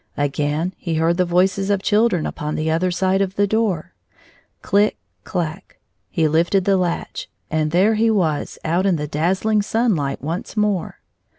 Again he heard the voices of chil dren upon the other side of the door. Click clack! He lifted the latch, and there he was out in the dazzling sunlight once more.